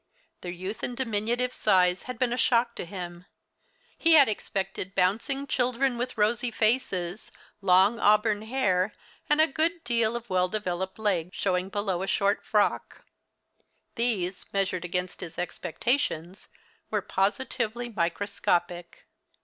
Their youth and diminutive size had been a shock to him. He had expected bouncing children with rosy faces, long auburn hair, and a good deal of well developed leg showing beneath a short frock. These, measured against his expectations, were positively microscopic.